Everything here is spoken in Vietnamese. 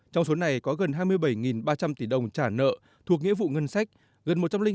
trong số này có gần hai mươi bảy ba trăm linh tỷ đồng trả nợ thuộc nghĩa vụ ngân sách